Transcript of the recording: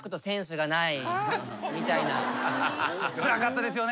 つらかったですよね。